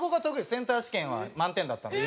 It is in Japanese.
センター試験は満点だったんで。